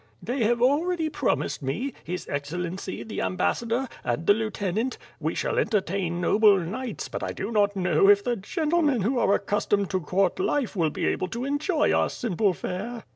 "They have already promised me; his Excellency, the am bassador, and the lieutenant; we shall entertain noble knights, but I do not know if the gentlemen who are accus tomed to court life will be able to enjoy our simple fare."